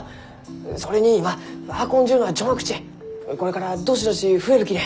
それに今運んじゅうのは序の口これからどしどし増えるきね。